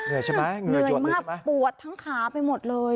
ใช่ไหมเหนื่อยมากปวดทั้งขาไปหมดเลย